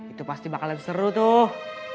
itu pasti bakalan seru tuh